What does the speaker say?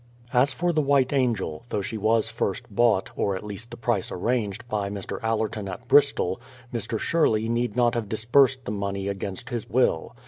As for the White Angel, though she was first bought, or at least the price arranged, by Mr. Allerton at Bristol, Mr. Sherley need not have disbursed the money against his will.